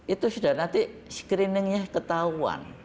itu sudah nanti screeningnya ketahuan